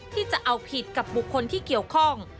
ที่จะเอาผิดกับบุคคลที่เกี่ยวข้อง